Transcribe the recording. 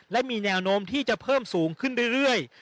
และมีแนวโน้มที่จะเพิ่มสูงขึ้นเรื่อย